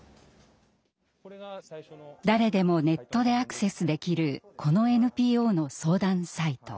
誰でもネットでアクセスできるこのＮＰＯの相談サイト。